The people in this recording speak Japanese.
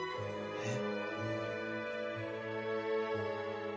えっ？